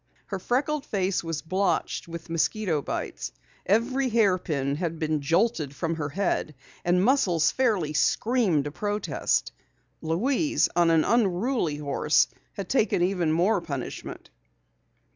Her freckled face was blotched with mosquito bites. Every hairpin had been jolted from her head and muscles fairly screamed a protest. Louise, on an unruly horse, had taken even more punishment.